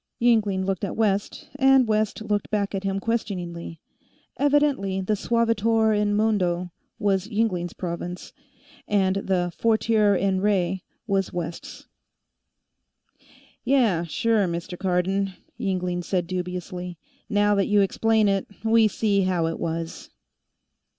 Yingling looked at West, and West looked back at him questioningly. Evidently the suavitor in modo was Yingling's province, and the fortior in re was West's. "Yeh, sure, Mr. Cardon," Yingling said dubiously. "Now that you explain it, we see how it was."